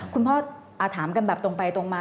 คุณพ่อถามกันแบบตรงไปตรงมา